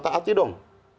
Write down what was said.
tak hati dong